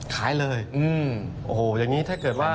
ขายเลยโอ้โหอย่างนี้ถ้าเกิดว่า